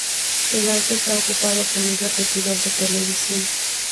El alto está ocupado por un repetidor de televisión.